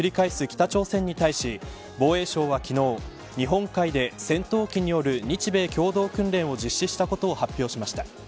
北朝鮮に対し防衛省は昨日日本海で、戦闘機による日米共同訓練を実施したことを発表しました。